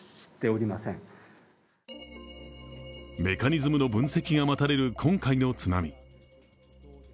メカニズムの分析が待たれる今回の津波。